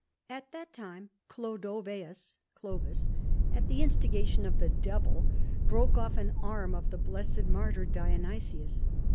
At that time Chlodoveus (Clovis), at the in stigation of the devil, broke off an arm of the blessed martyr Dionysius.